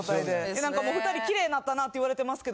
なんか２人キレイになったなって言われてますけど。